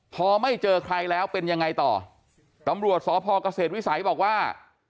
พอไม่เจอใครแล้วเป็นยังไงต่อตำรวจสพเกษตรวิสัยบอกว่า